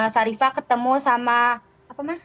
syarifah ketemu sama apa ma